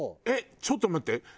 えっちょっと待って。